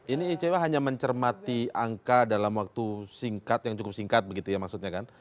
ini icw hanya mencermati angka dalam waktu singkat yang cukup singkat begitu ya maksudnya kan